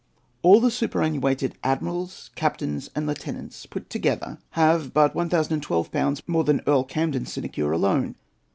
All the superannuated admirals, captains, and lieutenants put together, have but 1012l. more than Earl Camden's sinecure alone!